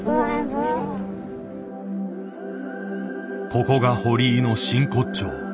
ここが堀井の真骨頂。